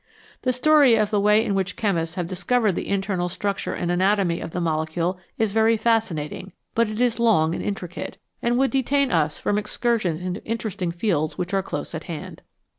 The story of the way in which chemists have discovered the internal structure and anatomy of the molecule is very fascinating, but it is long and intricate, and would detain us from excursions into interesting fields which are close at hand.